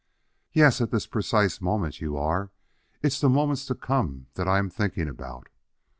"Yes, at this precise moment you are. It's the moments to come that I am thinking about."